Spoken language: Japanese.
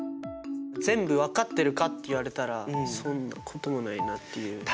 全部分かってるかっていわれたらそんなこともないなっていう。